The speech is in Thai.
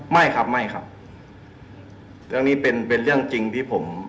ไม่ครับไม่ครับเรื่องนี้เป็นเป็นเรื่องจริงที่ผม